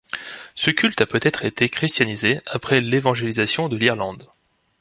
Ce culte a peut-être été christianisé après l'évangélisation de l’Irlande.